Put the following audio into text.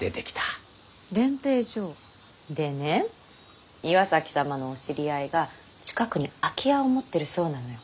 練兵場？でね岩崎様のお知り合いが近くに空き家を持ってるそうなのよ。